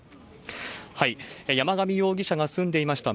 山上容疑者が住んでいました